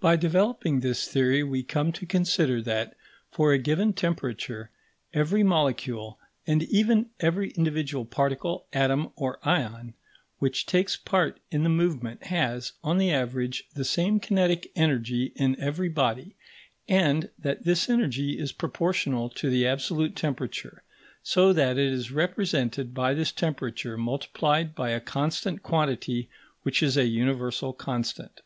By developing this theory, we come to consider that, for a given temperature, every molecule (and even every individual particle, atom, or ion) which takes part in the movement has, on the average, the same kinetic energy in every body, and that this energy is proportional to the absolute temperature; so that it is represented by this temperature multiplied by a constant quantity which is a universal constant.